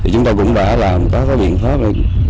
chúng ta cũng đã làm các biện pháp